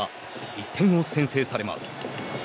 １点を先制されます。